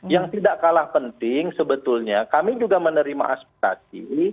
yang tidak kalah penting sebetulnya kami juga menerima aspirasi